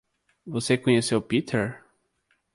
Você conheceu Peter?